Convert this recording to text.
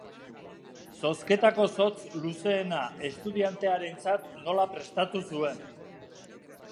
Zozketako zotz luzeena Estudiantearentzat nola prestatu zuen.